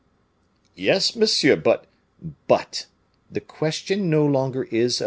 "Yes, monsieur; but " "But the question no longer is of M.